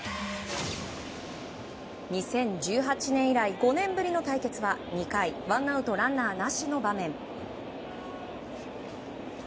２０１８年以来５年ぶりの対決は２回ワンアウトランナーなしの場面。